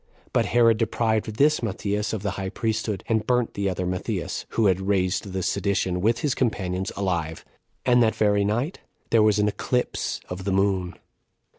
But Herod deprived this Matthias of the high priesthood, and burnt the other Matthias, who had raised the sedition, with his companions, alive. And that very night there was an eclipse of the moon.